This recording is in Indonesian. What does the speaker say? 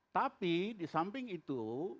tapi disamping itu